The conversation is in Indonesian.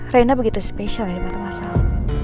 reina begitu spesial di mata mas al